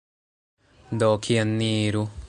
Do, kien ni iru?